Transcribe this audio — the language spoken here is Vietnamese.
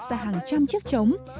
ra hàng trăm chiếc trống